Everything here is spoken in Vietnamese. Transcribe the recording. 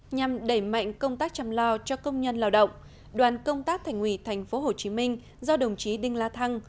nhằm đẩy mạnh công tác chăm lo cho công nhân lao động đoàn công tác thành ủy tp hcm do đồng chí đinh la thăng